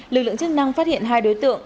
lực lượng chức năng phát hiện hai đối tượng